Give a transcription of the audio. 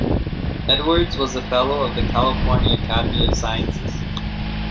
Edwards was a fellow of the California Academy of Sciences.